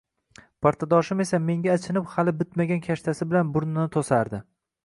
partadoshim esa menga achinib hali bitmagan kashtasi bilan burnini to’sardi.